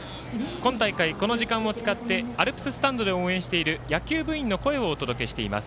今大会、この時間を使ってアルプススタンドで応援している野球部印の声をお届けしています。